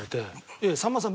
いやさんまさん